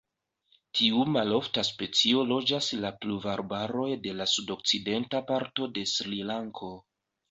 Tiu malofta specio loĝas la pluvarbaroj de la sudokcidenta parto de Srilanko.